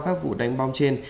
các vụ đánh bom trên